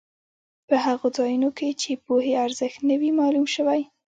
په هغو ځایونو کې چې پوهې ارزښت نه وي معلوم شوی.